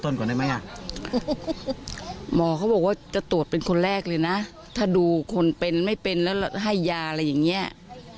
ตัวร้อนมากหรือเปล่านะ